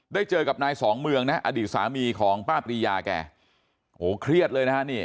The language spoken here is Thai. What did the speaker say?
เจอกับนายสองเมืองนะอดีตสามีของป้าปรียาแกโอ้โหเครียดเลยนะฮะนี่